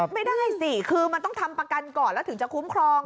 ไม่ได้สิคือมันต้องทำประกันก่อนแล้วถึงจะคุ้มครอง